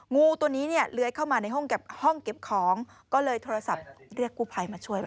งูตัวนี้เนี่ยเลื้อยเข้ามาในห้องเก็บของก็เลยโทรศัพท์เรียกกู้ภัยมาช่วย